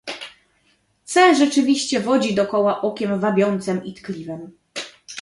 "C. rzeczywiście wodzi do koła okiem wabiącem i tkliwem."